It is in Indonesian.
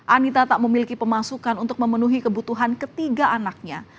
anita tak memiliki pemasukan untuk memenuhi kebutuhan ketiga anaknya